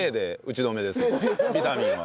ビタミンは。